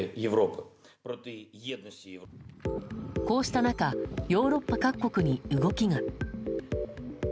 こうした中ヨーロッパ各国に動きが。